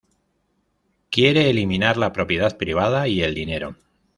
Quiere eliminar la propiedad privada y el dinero.